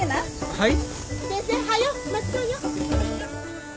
はい。